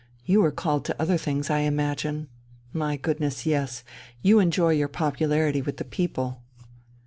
You are called to other things, I imagine. My goodness, yes! You enjoy your popularity with the people...."